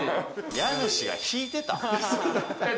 家主が引いてた。